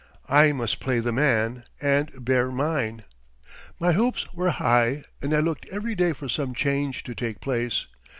I must play the man and bear mine. My hopes were high, and I looked every day for some change to take place.